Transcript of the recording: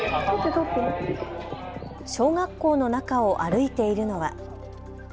小学校の中を歩いているのは。